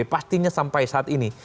pastinya sampai saat ini